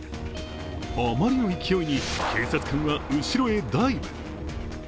あまりの勢いに、警察官は後ろへダイブ。